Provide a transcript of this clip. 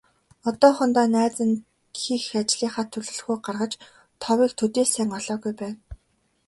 Одоохондоо найз нь хийх ажлынхаа төлөвлөгөөг гаргаж, товыг төдий л сайн олоогүй байна.